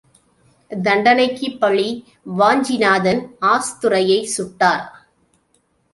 தண்டனைக்குப் பழி வாஞ்சிநாதன் ஆஷ்துரையைச் சுட்டார்.